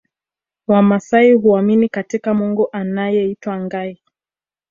Wamaasai huamini katika Mungu anaeitwa Nkai